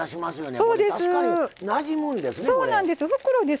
そうなんです。